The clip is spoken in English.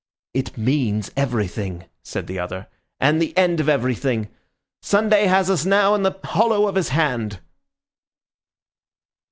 "It means everything," said the other, "and the end of everything. Sunday has us now in the hollow of his hand."